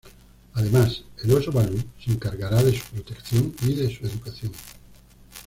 Además, el oso Baloo se encargará de su protección y de su educación.